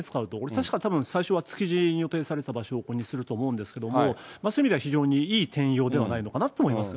確かたぶん、最初は築地に予定されていた場所を、ここにすると思うんですけれども、そういう意味では非常にいい転用ではないのかなと思います